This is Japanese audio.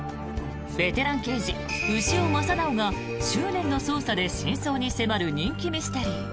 ベテラン刑事、牛尾正直が執念の捜査で真相に迫る人気ミステリー。